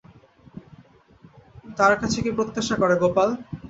তার কাছে কী প্রত্যাশা করে গোপাল?